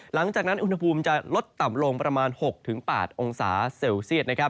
หลังจากนั้นอุณหภูมิจะลดต่ำลงประมาณ๖๘องศาเซลเซียต